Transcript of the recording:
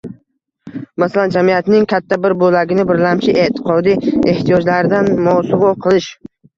Masalan, jamiyatning katta bir bo‘lagini birlamchi e’tiqodiy ehtiyojlaridan mosuvo qilish